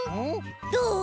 どう？